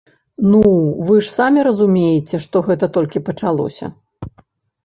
Ну, вы ж самі разумееце, што гэта толькі пачалося.